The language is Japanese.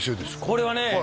これはね